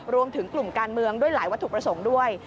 รวมถึงกลุ่มการเมืองด้วยหลายวัตถุประสงค์ด้วย